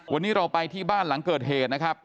วันนี้เราไปที่บ้านหลังเกิดเหตุนะครับ